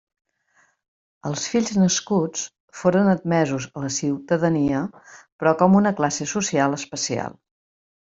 Els fills nascuts foren admesos a la ciutadania, però com una classe social especial.